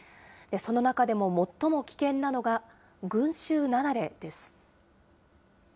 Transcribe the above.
その中でも最も危険なのが、群集雪崩です。